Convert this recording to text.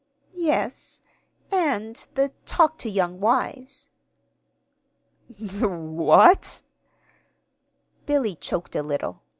"Yes and the 'Talk to Young Wives.'" "The w what?" Billy choked a little.